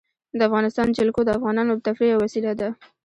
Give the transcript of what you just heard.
د افغانستان جلکو د افغانانو د تفریح یوه وسیله ده.